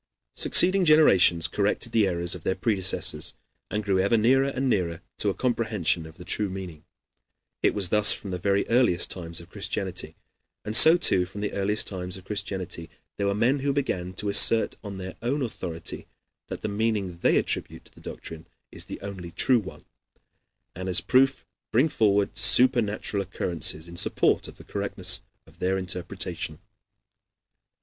Succeeding generations corrected the errors of their predecessors, and grew ever nearer and nearer to a comprehension of the true meaning. It was thus from the very earliest times of Christianity. And so, too, from the earliest times of Christianity there were men who began to assert on their own authority that the meaning they attribute to the doctrine is the only true one, and as proof bring forward supernatural occurrences in support of the correctness of their interpretation.